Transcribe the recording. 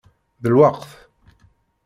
D lweqt!